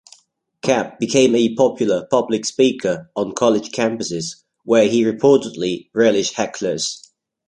Capp became a popular public speaker on college campuses, where he reportedly relished hecklers.